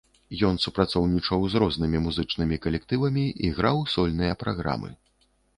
Ён супрацоўнічаў з рознымі музычнымі калектывамі і граў сольныя праграмы.